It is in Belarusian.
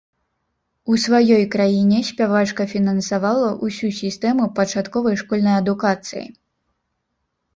У сваёй краіне спявачка фінансавала ўсю сістэму пачатковай школьнай адукацыі.